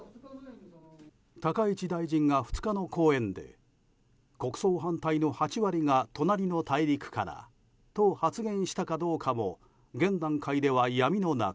高市大臣が２日の講演で国葬反対の８割が隣の大陸からと発言したかどうかも現段階では闇の中。